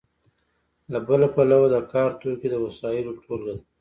له بله پلوه د کار توکي د وسایلو ټولګه ده.